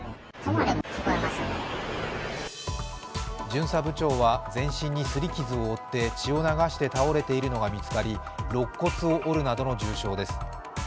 巡査部長は全身にすり傷を負って血を流して倒れているのが見つかり、ろっ骨を折るなどの重傷です。